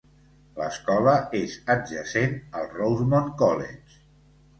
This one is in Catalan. L'escola és adjacent al Rosemont College.